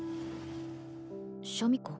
シャミ子？